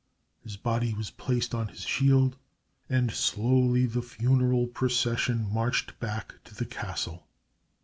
His body was placed on his shield, and slowly the funeral procession marched back to the castle.